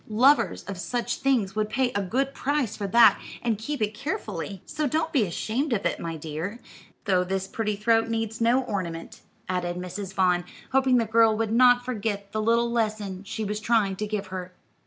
Lovers of such things would pay a good price for that and keep it carefully. So don't be ashamed of it, my dear, though this pretty throat needs no ornament," added Mrs. Vaughn, hoping the girl would not forget the little lesson she was trying to give her.